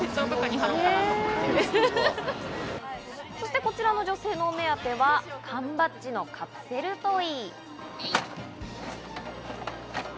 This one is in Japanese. こちらの女性のお目当ては缶バッジのカプセルトイ。